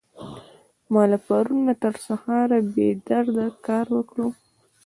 ما له پرون نه تر سهاره بې درده کار وکړ.